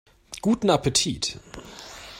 Guten Appetit!